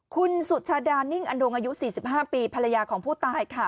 คุณสุชาดานิ่งอันดวงอายุ๔๕ปีภรรยาของผู้ตายค่ะ